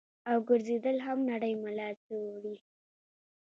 او ګرځېدل هم نرۍ ملا زوري -